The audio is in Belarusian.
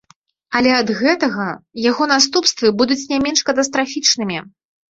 Але ад гэтага яго наступствы будуць не менш катастрафічнымі.